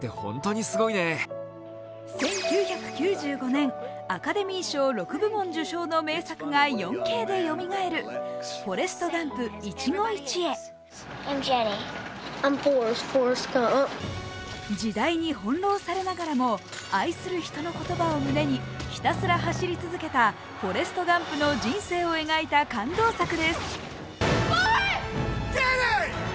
１９９５年、アカデミー賞６部門受賞の名作が４Ｋでよみがえる「フォレスト・ガンプ／一期一会」時代に翻弄されながらも愛する人の言葉を胸にひたすら走り続けたフォレスト・ガンプの人生を描いた感動作です。